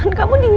ya ampun din